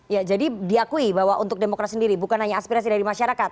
ya jadi diakui bahwa untuk demokrat sendiri bukan hanya aspirasi dari masyarakat